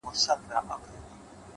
دادی اوس هم کومه؛ بيا کومه؛ بيا کومه؛